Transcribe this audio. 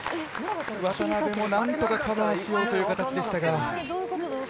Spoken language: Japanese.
渡辺もなんとかカバーしようという形でしたが。